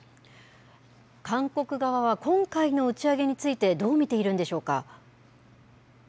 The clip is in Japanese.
韓国側は今回の打ち上げについて、どう見ているんでしょうか。